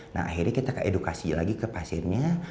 nah akhirnya kita ke edukasi lagi ke pasiennya